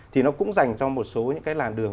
thì nó cũng dành cho một số những cái làn đường